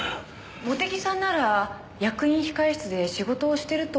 茂手木さんなら役員控室で仕事をしてると仰ってましたけど。